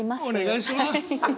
お願いします。